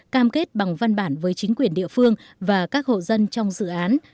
cam kết bằng văn bản với chính quyền địa phương và các hộ dân trong dự án